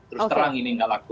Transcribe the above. terus terang ini nggak laku